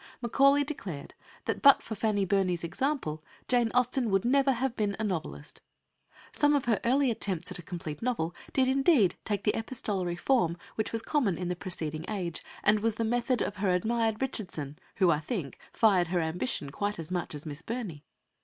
Macaulay declared that but for Fanny Burney's example Jane Austen would never have been a novelist. Some of her early attempts at a complete novel did indeed take the epistolary form which was common in the preceding age, and was the method of her admired Richardson, who, I think, fired her ambition quite as much as Miss Burney.